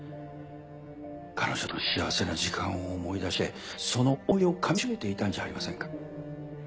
彼女との幸せな時間を思い出してその思い出を噛みしめていたんじゃありませんか？